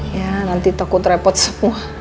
ya nanti takut repot semua